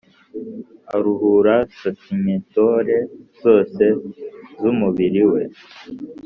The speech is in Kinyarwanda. aruhura santimetero zose z'umubiri we.